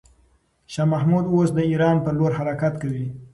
شاه محمود اوس د ایران پر لور حرکت کوي.